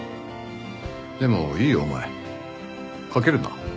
でもいいよお前。書けるな。